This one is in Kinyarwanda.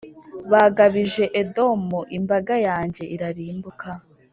bagabije Edomu imbaga yanjye irarimbuka